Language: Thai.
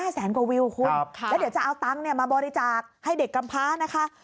แสนกว่าวิวคุณแล้วเดี๋ยวจะเอาตังค์มาบริจาคให้เด็กกำพ้านะคะ